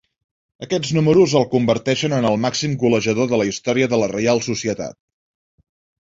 Aquests números el converteixen en el màxim golejador de la història de la Reial Societat.